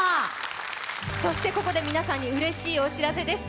ここで皆さんにうれしいお知らせです。